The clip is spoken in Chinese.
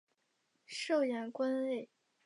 授盐官尉。